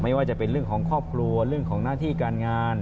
ว่าจะเป็นเรื่องของครอบครัวเรื่องของหน้าที่การงาน